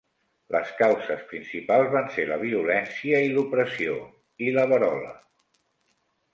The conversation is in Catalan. Les causes principals van ser la violència i l'opressió, i la verola.